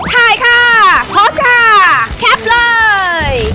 ถ่ายค่ะพอสค่ะแคปเลย